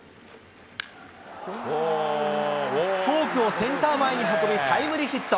フォークをセンター前に運び、タイムリーヒット。